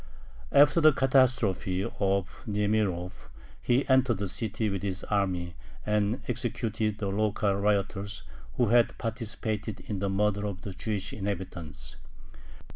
After the catastrophe of Niemirov he entered the city with his army, and executed the local rioters who had participated in the murder of the Jewish inhabitants.